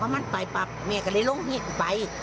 แมวกูถือกต้มแล้ว